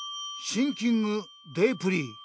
シンキングデープリー。